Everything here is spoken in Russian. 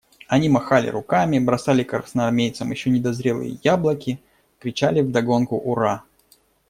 Они махали руками, бросали красноармейцам еще недозрелые яблоки, кричали вдогонку «ура».